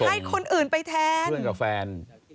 ให้คนอื่นไปแทน